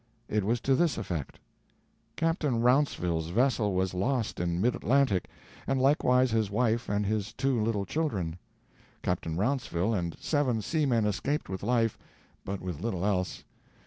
It was to this effect: Captain Rounceville's vessel was lost in mid Atlantic, and likewise his wife and his two little children. Captain Rounceville and seven seamen escaped with life, but with little else.